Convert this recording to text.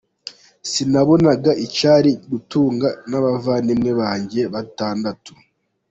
Sinabonaga icyari gutunga n’abavandimwe banjye batandatu.